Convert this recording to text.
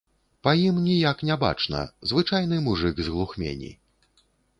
Па ім ніяк не бачна, звычайны мужык з глухмені.